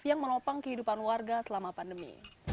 yang menopang kehidupan warga selama pandemi